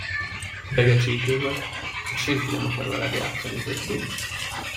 Idegesítő vagy, és senki nem akar veled játszani többé.